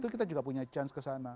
kita juga punya chance kesana